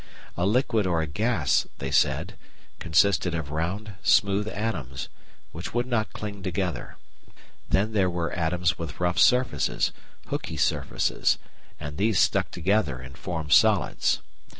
A liquid or a gas, they said, consisted of round, smooth atoms, which would not cling together. Then there were atoms with rough surfaces, "hooky" surfaces, and these stuck together and formed solids.